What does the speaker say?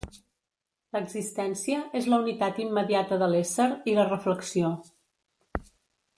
L'existència és la unitat immediata de l'ésser i la reflexió.